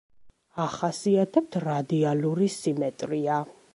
ახასიათებთ რადიალური სიმეტრია.